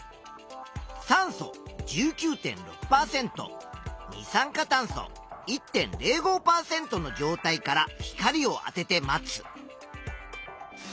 酸素１９．６％二酸化炭素１．０５％の状態から光をあてて待つ。